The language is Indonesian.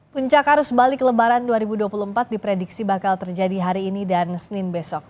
puncak arus balik lebaran dua ribu dua puluh empat diprediksi bakal terjadi hari ini dan senin besok